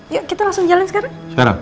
yuk kita langsung jalan sekarang